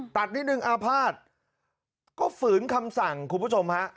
ตัดนิดนึงอาภาษณ์ก็ฝืนคำสั่งคุณผู้ชมฮะ